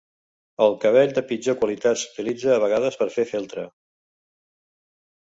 El cabell de pitjor qualitat s'utilitza a vegades per fer feltre.